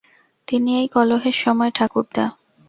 এই কি কলহের সময় ঠাকুরদা?